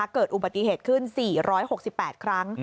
เกิดอุบัติเหตุขึ้น๔๖๘ครั้ง